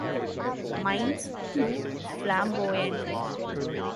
Mine's too flamboyant.